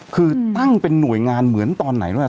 คือตั้งเป็นหน่วยงานเหมือนตอนไหนด้วย